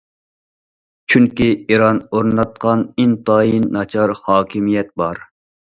چۈنكى ئىران ئورناتقان ئىنتايىن ناچار ھاكىمىيەت بار.